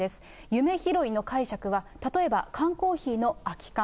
夢拾いの解釈は、例えば缶コーヒーの空き缶。